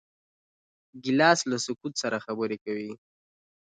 ګیلاس له سکوت سره خبرې کوي.